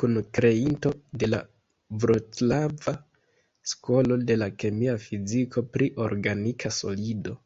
Kunkreinto de la vroclava skolo de la kemia fiziko pri organika solido.